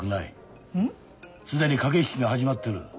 既に駆け引きが始まってる。